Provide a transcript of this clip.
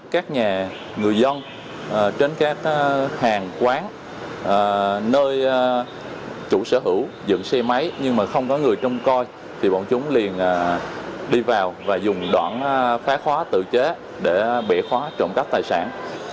các hàng quán nơi chủ sở hữu dựng xe máy nhưng mà không có người trông coi thì bọn chúng liền đi vào và dùng đoạn phá khóa tự chế để bể khóa trộm cắp tài sản